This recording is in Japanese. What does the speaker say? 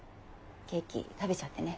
ケーキ食べちゃってね。